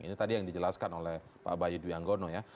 ini tadi yang dijelaskan oleh pak bayu dwianggono ya